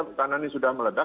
karena ini sudah meledak